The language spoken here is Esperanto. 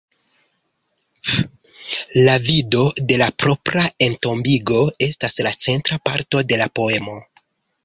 La vido de la propra entombigo, estas la centra parto de la poemo.